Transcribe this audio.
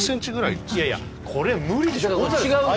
いやいやこれ無理でしょ